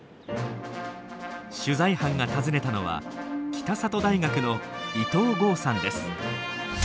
取材班が訪ねたのは北里大学の伊藤剛さんです。